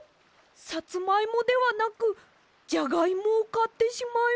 さつまいもではなくじゃがいもをかってしまいました。